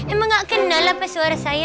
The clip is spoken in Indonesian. emang gak kenal apa suara saya